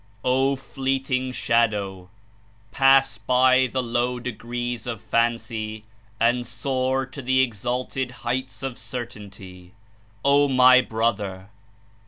''O Fleeting Sfiadon:/ Pass by the low degrees of fancy, and soar to the exalted heights of Certainty." ''Oh My Brother!